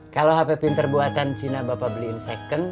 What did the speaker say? kalau hp pinter buatan cina bapak beliin second